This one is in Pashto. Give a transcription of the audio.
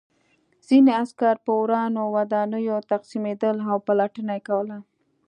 ځینې عسکر په ورانو ودانیو تقسیمېدل او پلټنه یې کوله